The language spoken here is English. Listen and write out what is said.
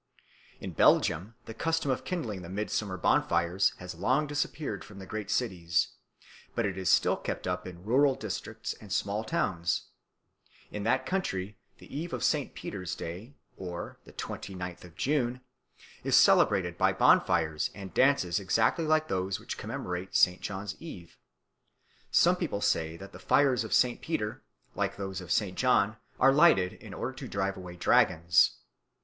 In Belgium the custom of kindling the midsummer bonfires has long disappeared from the great cities, but it is still kept up in rural districts and small towns. In that country the Eve of St. Peter's Day (the twenty ninth of June) is celebrated by bonfires and dances exactly like those which commemorate St. John's Eve. Some people say that the fires of St. Peter, like those of St. John, are lighted in order to drive away dragons.